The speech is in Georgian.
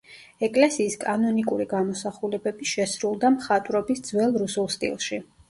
ეკლესიის კანონიკური გამოსახულებები შესრულდა მხატვრობის ძველ რუსულ სტილში.